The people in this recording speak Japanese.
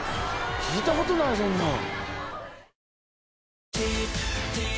聞いたことないそんなん。